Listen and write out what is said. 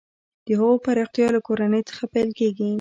د هغو پراختیا له کورنۍ څخه پیل کیږي.